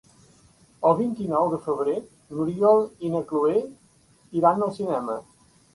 El vint-i-nou de febrer n'Oriol i na Cloè iran al cinema.